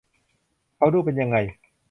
เขาดูเป็นยังไง